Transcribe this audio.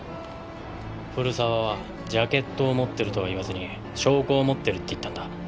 古沢はジャケットを持ってるとは言わずに証拠を持ってるって言ったんだ。